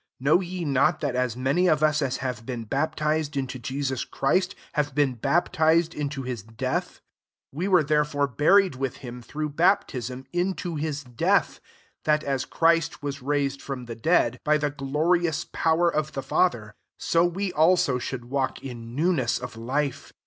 3 Know ye not that as many of us as have been baptized into Jesus Christ, have been baptized into hi$^ death ? 4 We were there fore buried with him, through baptism, into his death ; that, as Christ was raised from the dead, by the glorious power of the Father, so we also should walk in newness of life.